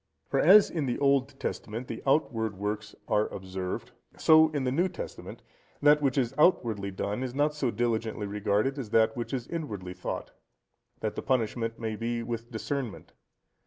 For as in the Old Testament the outward works are observed, so in the New Testament, that which is outwardly done, is not so diligently regarded as that which is inwardly thought, that the punishment may be with discernment.